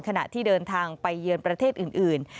ขณะที่เดินทางไปเยือนประเทศอื่น